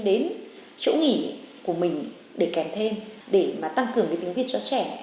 đến chỗ nghỉ của mình để kèm thêm để mà tăng cường cái tiếng việt cho trẻ